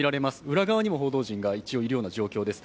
裏側にも報道陣がいるような状況です。